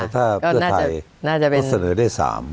ถ้าเพื่อไทยเขาเสนอได้๓